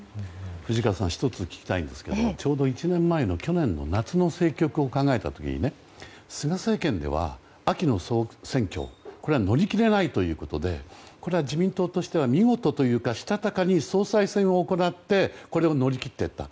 藤川さん１つ聞きたいんですがちょうど１年前の夏の政局を考えた時に菅政権では秋の総選挙は乗り切れないということでこれは自民党としては見事というか、したたかに総裁選を行ってこれを乗り切っていった。